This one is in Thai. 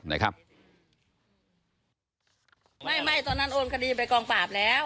ไม่ตอนนั้นโอนคดีไปกองปราบแล้ว